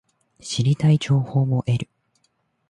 知りたい情報を得る